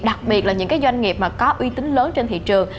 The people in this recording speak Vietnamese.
đặc biệt là những doanh nghiệp có uy tín lớn trên thị trường